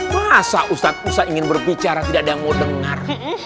masa ustadz ustadz ingin berbicara tidak ada yang mau dengar